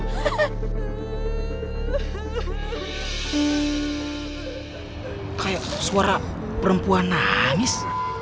hahaha kayak suara perempuan nangis